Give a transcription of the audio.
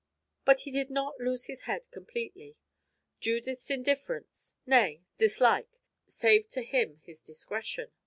But he did not lose his head completely. Judith's indifference nay, dislike saved to him his discretion.